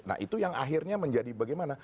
nah itu yang akhirnya menjadi bagaimana